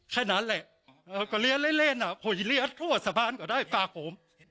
แค่นั้นแหละก็เรียนเล่นอ่ะผมจะเรียกทั่วสะพานก็ได้ฝากผม